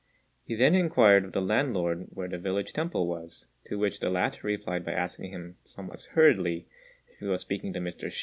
He then inquired of the landlord where the village temple was; to which the latter replied by asking him somewhat hurriedly if he was speaking to Mr. Hsü.